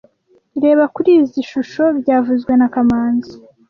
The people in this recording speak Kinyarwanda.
Reba kuri izoi shusho byavuzwe na kamanzi